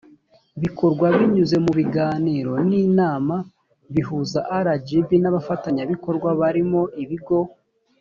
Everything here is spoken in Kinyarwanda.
bikorwa binyuze mu biganiro n’inama bihuza rgb n’abafatanyabikorwa barimo ibigo.